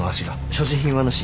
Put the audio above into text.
所持品はなし。